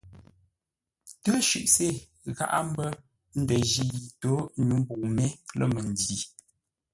Təshʉʼ se gháʼá mbə́ ndənji yi tô nyû mbəu mé lə̂ məndǐ.